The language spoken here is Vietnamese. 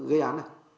gây án này